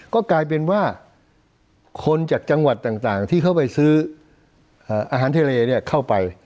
ก็กลายเป็นว่าคนจากจังหวัดต่างที่เขาไปซื้ออาหารทะเลเข้าไป